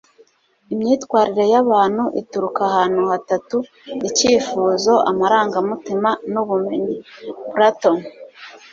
imyitwarire y'abantu ituruka ahantu hatatu icyifuzo, amarangamutima, n'ubumenyi. - platon